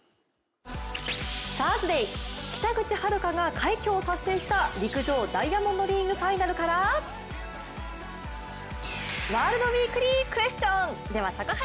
サーズデー、北口榛花が快挙を達成した陸上、ダイヤモンドリーグファイナルからワールドウィークリークエスチョン。